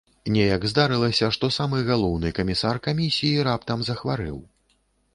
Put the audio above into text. Неяк здарылася, што самы галоўны камісар камісіі раптам захварэў.